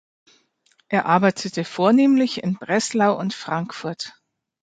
Er arbeitete vornehmlich in Breslau und Frankfurt.